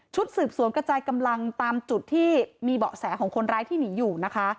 สืบสวนกระจายกำลังตามจุดที่มีเบาะแสของคนร้ายที่หนีอยู่นะคะ